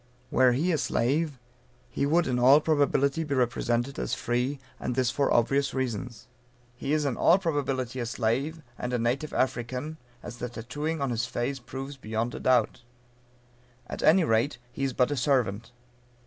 Were he a slave, he would in all probability be represented as free, and this for obvious reasons. He is in all probability a slave, and a native African, as the tattooing on his face proves beyond a doubt. At any rate, he is but a servant.